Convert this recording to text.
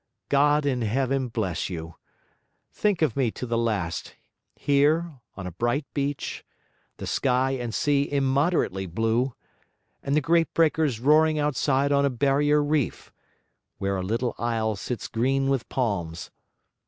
God in heaven bless you. Think of me to the last, here, on a bright beach, the sky and sea immoderately blue, and the great breakers roaring outside on a barrier reef, where a little isle sits green with palms.